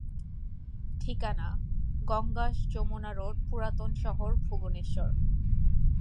ঠিকানা: গঙ্গাস-যমুনা রোড, পুরাতন শহর, ভুবনেশ্বর।